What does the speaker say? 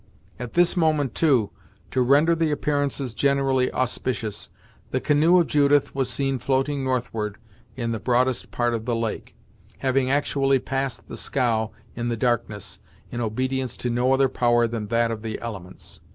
At this moment, too, to render the appearances generally auspicious, the canoe of Judith was seen floating northward in the broadest part of the lake; having actually passed the scow in the darkness, in obedience to no other power than that of the elements.